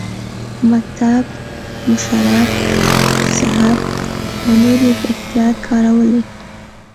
مکتب، مشرب، ذهب او نور یې په احتیاط کارولي.